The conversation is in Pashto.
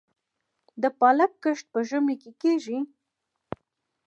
د پالک کښت په ژمي کې کیږي؟